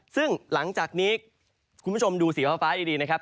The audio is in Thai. ซึ่งหลังจากนี้คุณผู้ชมดูสีฟ้าดีนะครับ